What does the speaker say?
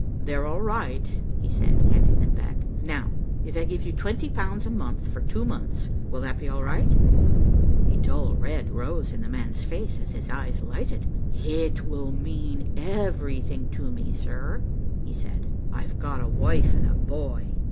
"They're all right," he said, handing them back. "Now, if I give you twenty pounds a month for two months, will that be all right?" A dull red rose in the man's face as his eyes lighted. "It will mean everything to me, sir," he said. "I've got a wife and a boy."